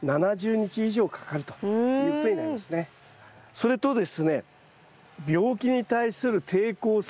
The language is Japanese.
それとですね